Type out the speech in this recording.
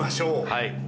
はい。